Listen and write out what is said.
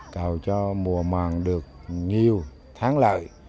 cầu cho mùa mòn được nhiều tháng lợi